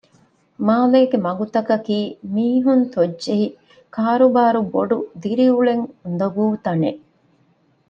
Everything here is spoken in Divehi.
މާލޭގެ މަގުތަކަކީ މީހުން ތޮއްޖެހި ކާރުބާރު ބޮޑު ދިރިއުޅެން އުނދަގޫ ތަނެއް